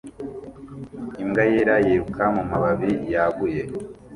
Imbwa yera yiruka mumababi yaguye